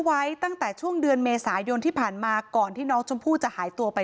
ไว้ตั้งแต่ช่วงเดือนเมษายนที่ผ่านมาก่อนที่น้องชมพู่จะหายตัวไป